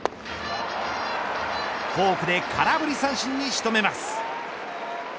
フォークで空振り三振に仕留めます。